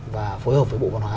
và phối hợp với bộ văn hóa